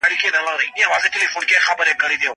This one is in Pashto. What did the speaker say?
استاد محمد صدیق فطرت ناشناس کندهاری